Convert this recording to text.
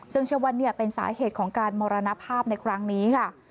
ซึ่งเชื่อว่าเป็นสาเหตุของการมรณภาพในครั้งนี้ค่ะ